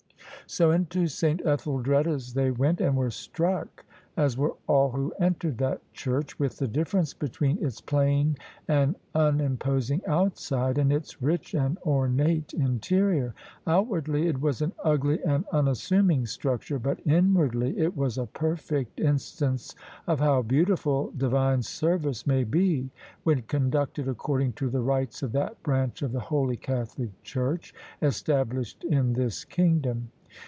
So into S. Etheldreda's they went: and were struck — as were all who entered that church — ^with the difference be tween its plain and unimposing outside and its rich and ornate interior. Outwardly it was an ugly and unassuming structure; but inwardly it was a perfect instance of how beautiful Divine Service may be when conducted according to the rites of that branch of the Holy Catholic Church established in this kingdom.